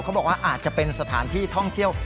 เขาบอกว่าอาจจะเป็นสถานที่ท่องเที่ยว